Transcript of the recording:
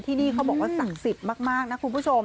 ที่นี่เขาบอกว่าศักดิ์สิทธิ์มากนะคุณผู้ชม